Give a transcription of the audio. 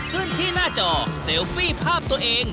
ขึ้นที่หน้าจอเซลฟี่ภาพตัวเอง